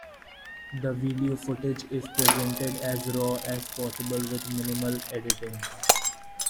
The video footage is presented as raw as possible with minimal editing.